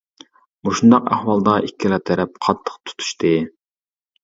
مۇشۇنداق ئەھۋالدا ئىككىلا تەرەپ قاتتىق تۇتۇشتى.